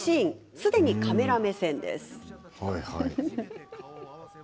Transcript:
すでにカメラ目線です。